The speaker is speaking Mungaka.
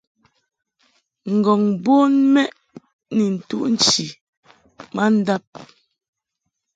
Ngɔ̀ŋ bon mɛʼ ni ntuʼ nchi ma ndab.